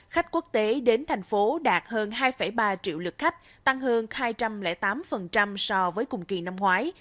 khách quốc tế đến thành phố đạt hơn hai ba triệu lượt khách tăng hơn hai trăm linh tám so với cùng kỳ năm ngoái